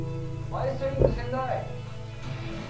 アイスリンク仙台。